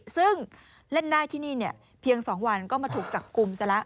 ซึ่งเล่นได้ที่นี่เพียง๒วันก็มาถูกจับกลุ่มซะละ